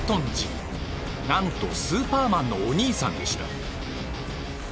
なんとスーパーマンのお兄さんでした。